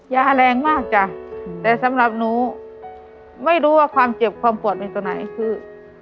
แรงมากจ้ะแต่สำหรับหนูไม่รู้ว่าความเจ็บความปวดเป็นตัวไหนคือ